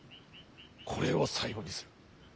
これを最後にする。